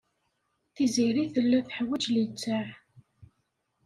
Tiziri tella teḥwaj littseɛ.